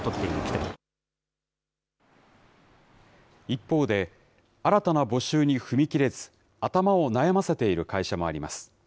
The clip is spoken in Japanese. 一方で、新たな募集に踏み切れず、頭を悩ませている会社もあります。